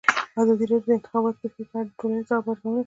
ازادي راډیو د د انتخاباتو بهیر په اړه د ټولنې د ځواب ارزونه کړې.